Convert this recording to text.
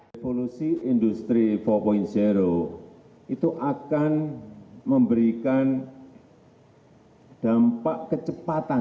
evolusi industri empat itu akan memberikan dampak kecepatan